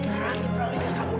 jangan aku akan terlalu jauh kamu